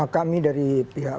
kami dari pihak